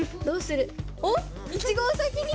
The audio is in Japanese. どうする？